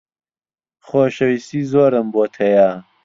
خۆشەویستیی زۆرم بۆت هەیە.